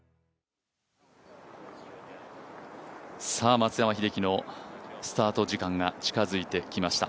松山英樹のスタート時間が近づいてきました。